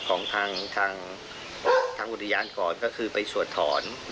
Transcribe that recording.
ของทางทางอุทยานก่อนก็คือไปสวดถอน